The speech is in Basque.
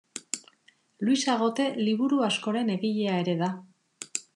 Luis Agote liburu askoren egilea ere da.